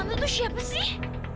tante tante tuh siapa sih